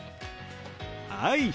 はい。